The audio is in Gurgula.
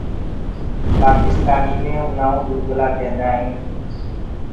پآڪِستآنيٚ انآ ڪوُ گُرگلآ ڪينٚدآئينٚ پر